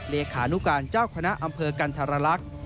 เลขานุการเจ้าคณะอำเภอกันธรรลักษณ์